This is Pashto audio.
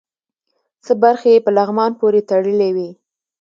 څه برخې یې په لغمان پورې تړلې وې.